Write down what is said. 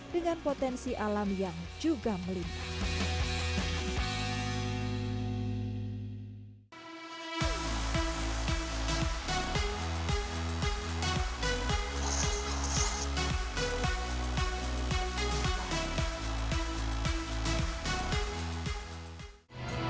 dengan potensi alam yang juga melintas